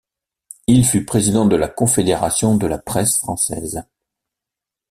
Il fut président de la Confédération de la presse française.